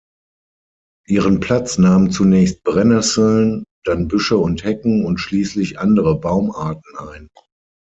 Ihren Platz nahmen zunächst Brennnesseln, dann Büsche und Hecken und schließlich andere Baumarten ein.